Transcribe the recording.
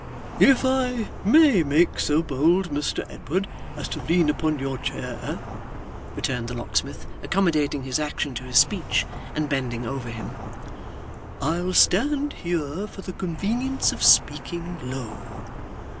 'If I may make so bold, Mr Edward, as to lean upon your chair,' returned the locksmith, accommodating his action to his speech, and bending over him, 'I'll stand here for the convenience of speaking low.